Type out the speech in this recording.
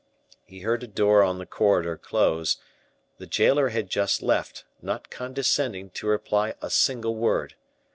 He heard a door on the corridor close; the jailer had just left, not condescending to reply a single word.